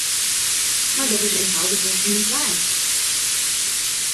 Maar dat is eenvoudigweg niet waar.